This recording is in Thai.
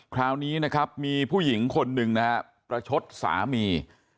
คราวนี้นะครับมีผู้หญิงคนหนึ่งนะฮะประชดสามี